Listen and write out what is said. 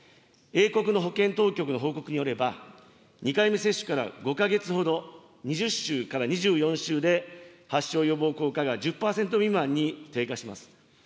英国の保健当局の報告によれば、２回目接種から５か月ほど、２０週から２４週で発症予防効果が１０％未満に低下します。